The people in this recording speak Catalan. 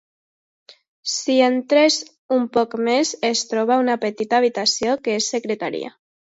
Si entres un poc més, es troba una petita habitació, que és secretaria.